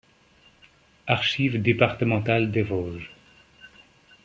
Archives départementales des Vosges.